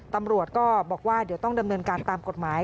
ตำรวจก็บอกว่าเดี๋ยวต้องดำเนินการตามกฎหมาย